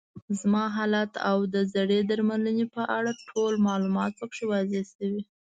زما حالت او د زړې درملنې په اړه ټول معلومات پکې واضح شوي.